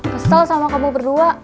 kesel sama kamu berdua